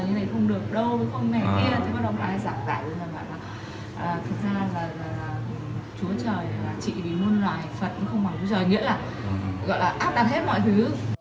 nghĩa là gọi là áp đặt hết mọi thứ